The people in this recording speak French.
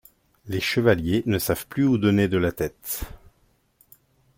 Les Chevaliers ne savent plus où donner de la tête.